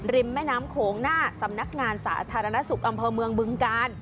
แม่น้ำโขงหน้าสำนักงานสาธารณสุขอำเภอเมืองบึงกาล